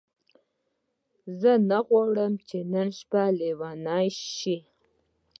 زه نه غواړم چې نن شپه لیونۍ شې.